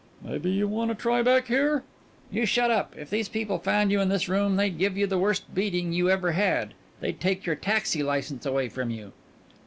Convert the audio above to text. "Maybe you wanta try back here." "You shut up! If these people found you in this room they'd give you the worst beating you ever had. They'd take your taxi license away from you!"